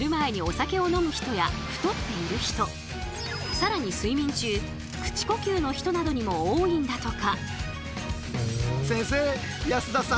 さらに睡眠中口呼吸の人などにも多いんだとか。